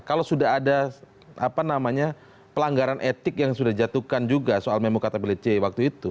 kalau sudah ada pelanggaran etik yang sudah dijatuhkan juga soal memo katabil c waktu itu